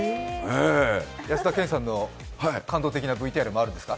安田顕さんの感動的なＶＴＲもあるんですか？